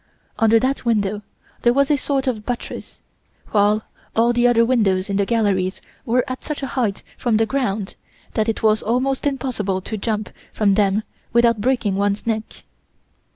Under that window there was a sort of buttress, while all the other windows in the galleries were at such a height from the ground that it was almost impossible to jump from them without breaking one's neck.